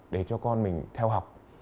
để cho con mình theo học